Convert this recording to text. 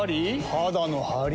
肌のハリ？